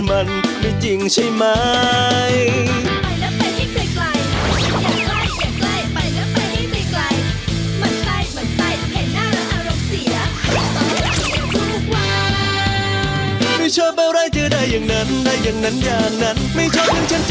ไอ่ทังก็จะทำอย่างไรดีวะ